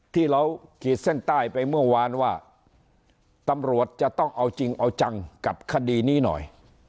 ที่เราขีดเส้นใต้ไปเมื่อวานว่าตำรวจจะต้องเอาจริงเอาจังกับคดีนี้หน่อย